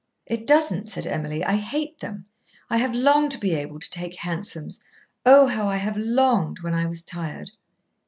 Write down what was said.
"It doesn't," said Emily. "I hate them. I have longed to be able to take hansoms. Oh! how I have longed when I was tired."